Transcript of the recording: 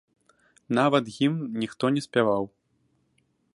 Нават гімн ніхто не спяваў.